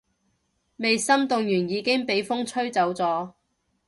未心動完已經畀風吹走咗